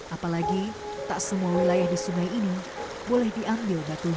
apalagi tak semua lelaki yang berpengalaman untuk memilih batu ini